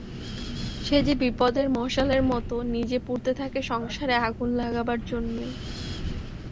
সে যে বিপদের মশালের মতো, নিজে পুড়তে থাকে সংসারে আগুন লাগাবার জন্যেই।